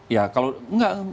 ya kalau nggak